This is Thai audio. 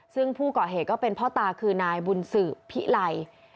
ซึ่งผู้ก่อเหตุก็เป็นพ่อตาคือนายบุญสือพิไล